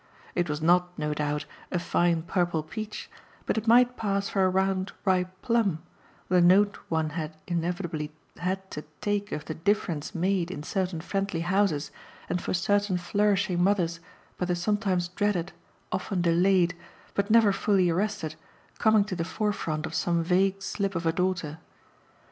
It was not, no doubt, a fine purple peach, but it might pass for a round ripe plum, the note one had inevitably had to take of the difference made in certain friendly houses and for certain flourishing mothers by the sometimes dreaded, often delayed, but never fully arrested coming to the forefront of some vague slip of a daughter.